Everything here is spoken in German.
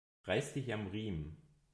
Reiß dich am Riemen!